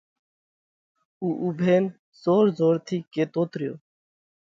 ۾ اُوڀينَ زور زور ٿِي ڪيتوت ريو۔